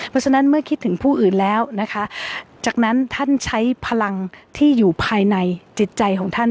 เพราะฉะนั้นเมื่อคิดถึงผู้อื่นแล้วนะคะจากนั้นท่านใช้พลังที่อยู่ภายในจิตใจของท่าน